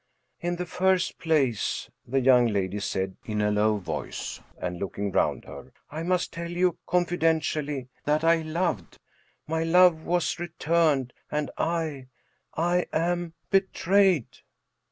" In the first place," the young lady said, in a low voice, and looking round her, " I must tell you confidentially that I loved, my love was returned, and I — ^I am betrayed."